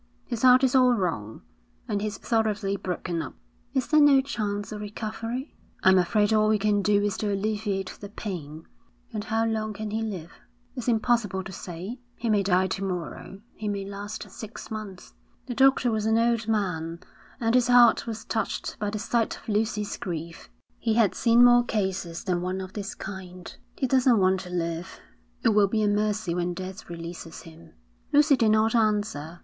'His heart is all wrong, and he's thoroughly broken up.' 'Is there no chance of recovery?' 'I'm afraid all we can do is to alleviate the pain.' 'And how long can he live?' 'It's impossible to say. He may die to morrow, he may last six months.' The doctor was an old man, and his heart was touched by the sight of Lucy's grief. He had seen more cases than one of this kind. 'He doesn't want to live. It will be a mercy when death releases him.' Lucy did not answer.